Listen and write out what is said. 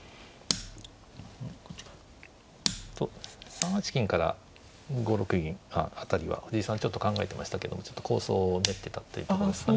３八金から５六銀辺りは藤井さんちょっと考えてましたけども構想を練ってたっていうとこですかね。